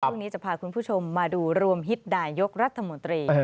ช่วงนี้จะพาคุณผู้ชมมาดูรวมฮิตนายกรัฐมนตรี